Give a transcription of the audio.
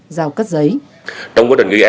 giàu cắt giấy